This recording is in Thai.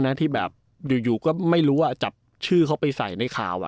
ที่แบบอยู่ก็ไม่รู้ว่าจับชื่อเขาไปใส่ในข่าว